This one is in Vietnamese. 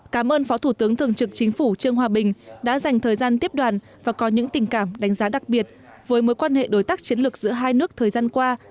cảm ơn phó thủ tướng thường trực chính phủ trương hòa bình đã dành thời gian tiếp đoàn và có những tình cảm đánh giá đặc biệt với mối quan hệ đối tác chiến lược giữa hai nước thời gian qua